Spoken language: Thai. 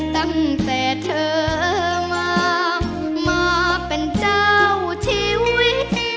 ตั้งแต่เธอมามาเป็นเจ้าชีวิต